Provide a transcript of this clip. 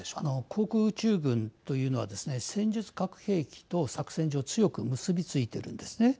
航空宇宙軍というのはですね戦術核兵器と作戦上強く結び付いているんですね。